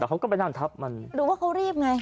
พี่เขาบอกพี่ไปขยับกระจก๕๖ทีเพื่อมองหน้ามองเขาเนี่ยจริงมั้ย